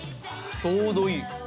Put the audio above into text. ちょうどいい。